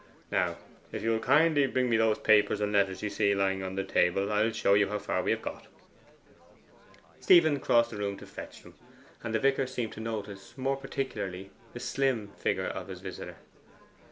Now, if you will kindly bring me those papers and letters you see lying on the table, I will show you how far we have got.' Stephen crossed the room to fetch them, and the vicar seemed to notice more particularly the slim figure of his visitor.